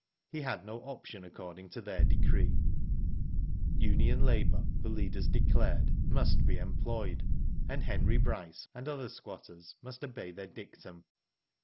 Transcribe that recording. He had no option according to their decree. Union labour, the leaders declared, must Digitized byGoogk A MYSTERY. il be employed, and Henry Bryce and other squatters must obey their dictum.